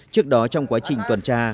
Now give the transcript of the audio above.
trước đó trong quá trình toàn trà